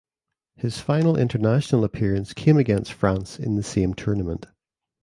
His final international appearance came against France in the same tournament.